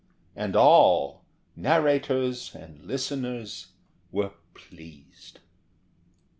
And all, narrator and listeners, were pleased.